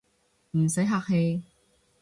唔使客氣